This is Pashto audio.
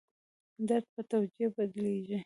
درد په توجیه بدلېږي.